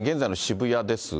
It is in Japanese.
現在の渋谷ですが。